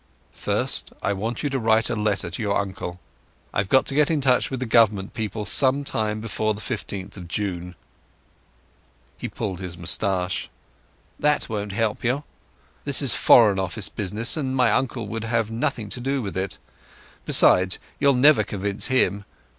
"First, I want you to write a letter to your uncle. I've got to get in touch with the Government people sometime before the 15th of June." He pulled his moustache. "That won't help you. This is Foreign Office business, and my uncle would have nothing to do with it. Besides, you'd never convince him.